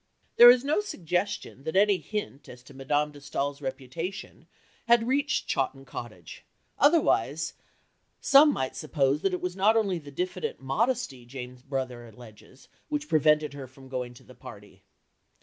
There is no suggestion that any hint as to Madame de Staël's reputation had reached Chawton Cottage, otherwise some might suppose that it was not only the diffident modesty Jane's brother alleges which prevented her from going to the party.